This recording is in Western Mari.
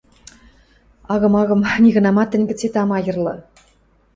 – Агым, агым, нигынамат тӹнь гӹцет ам айырлы...